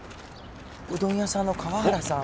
うどん屋さんのかわはらさん？